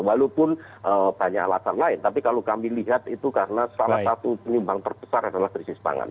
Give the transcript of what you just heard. walaupun banyak alasan lain tapi kalau kami lihat itu karena salah satu penyumbang terbesar adalah krisis pangan